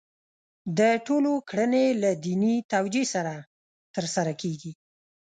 د ټولو کړنې له دیني توجیه سره ترسره کېږي.